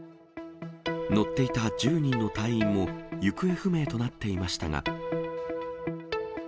乗っていた１０人の隊員も行方不明となっていましたが。